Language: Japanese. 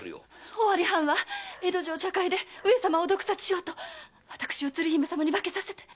尾張藩は上様を毒殺しようと私を鶴姫様に化けさせて！